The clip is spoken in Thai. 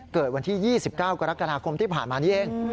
เกิดวันที่๒๙กรกฎาคมที่ผ่านมานี้เอง